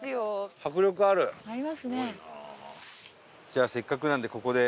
じゃあせっかくなんでここで。